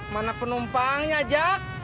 mana penumpangnya jak